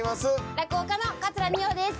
落語家の桂二葉です。